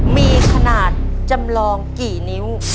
มีขนาดจำลองกี่นิ้ว